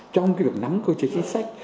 trong cái việc nắm cơ chế chính sách